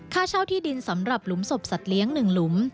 ค่าเช่าที่ดินสำหรับหลุมศพสัตว์เลี้ยง๑หลุม